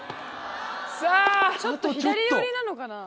ちょっと左寄りなのかな。